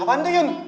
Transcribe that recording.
apaan tuh yun